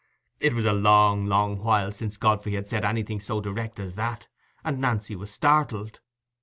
It was a long, long while since Godfrey had said anything so direct as that, and Nancy was startled.